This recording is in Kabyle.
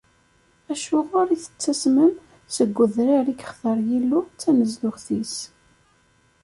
Acuɣer i tettasmem seg udrar i yextar Yillu, d tanezduɣt-is?